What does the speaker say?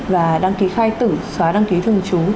và đăng ký khai tử xóa đăng ký thường trú